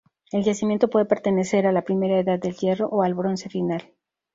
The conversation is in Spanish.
El yacimiento puede pertenecer a la Primera Edad del Hierro o al Bronce Final.